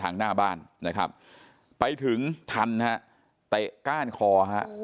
ไปทางหน้าบ้านนะครับไปถึงฐันฐ์ครับเตะก้านคอครับ